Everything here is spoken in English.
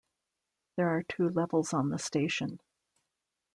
There are two levels on the station.